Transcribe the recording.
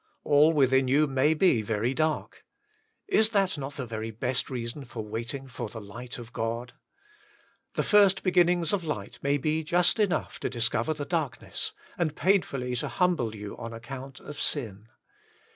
All within you may be very dark; is that not the very best reason for waiting for the light of God ? The first beginnings of light may be just enough to discover the darkness, and painfully to humble you on account of sin.